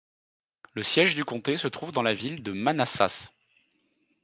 Le siège du comté se trouve dans la ville de Manassas.